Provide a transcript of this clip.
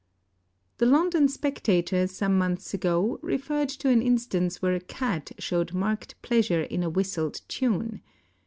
The London Spectator some months ago referred to an instance where a cat showed marked pleasure in a whistled tune.